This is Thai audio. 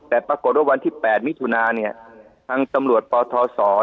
แต่ปรากฏว่าวันที่๘มิถุนาเนี่ยทางตำรวจปทศ